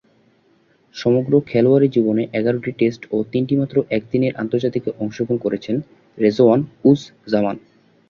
সমগ্র খেলোয়াড়ী জীবনে এগারোটি টেস্ট ও তিনটিমাত্র একদিনের আন্তর্জাতিকে অংশগ্রহণ করেছেন রিজওয়ান-উজ-জামান।